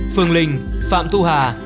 phương linh phạm thu hà